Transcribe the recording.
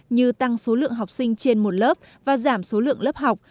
như tăng số lượng học sinh trên một lớp và giảm số lượng lớp học